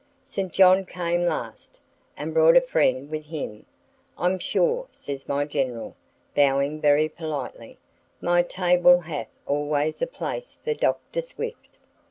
St. John came last, and brought a friend with him: "I'm sure," says my General, bowing very politely, "my table hath always a place for Dr. Swift."